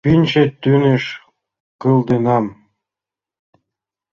Пӱнчӧ тӱҥыш кылденам.